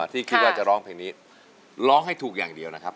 ที่คิดว่าจะร้องเพลงนี้ร้องให้ถูกอย่างเดียวนะครับ